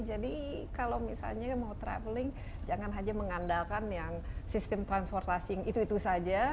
jadi kalau misalnya mau traveling jangan hanya mengandalkan yang sistem transportasi itu itu saja